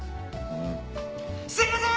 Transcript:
すみません！